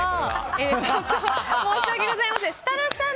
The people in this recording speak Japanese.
申し訳ございません。